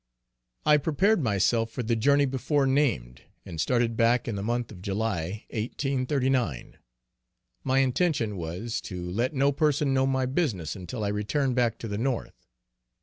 _ I prepared myself for the journey before named, and started back in the month of July, 1839. My intention was, to let no person know my business until I returned back to the North.